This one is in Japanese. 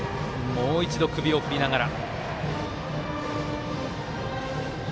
もう一度、首を振りながら。